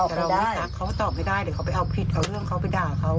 แต่เราไม่ทักเขาตอบไม่ได้เดี๋ยวเขาไปเอาผิดเอาเรื่องเขาไปด่าเขา